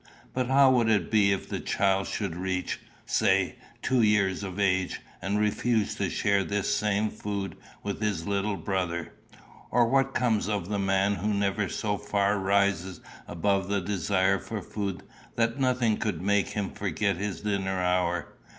But how would it be if the child should reach, say, two years of age, and refuse to share this same food with his little brother? Or what comes of the man who never so far rises above the desire for food that nothing could make him forget his dinner hour?